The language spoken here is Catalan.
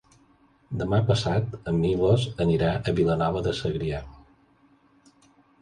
Demà passat en Milos anirà a Vilanova de Segrià.